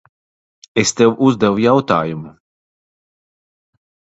Es tev uzdevu jautājumu.